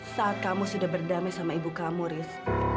saat kamu sudah berdamai sama ibu kamu riz